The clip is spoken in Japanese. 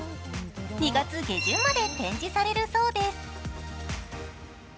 ２月下旬まで展示されるそうです。